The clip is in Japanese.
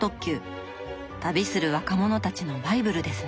旅する若者たちのバイブルですね。